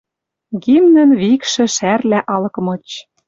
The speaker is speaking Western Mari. Гимнын викшӹ шӓрлӓ алык мыч.